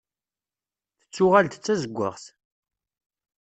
Tettuɣal-d d tazewwaɣt.